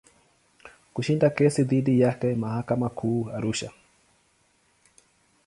Kushinda kesi dhidi yake mahakama Kuu Arusha.